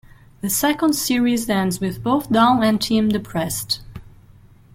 The second series ends with both Dawn and Tim depressed.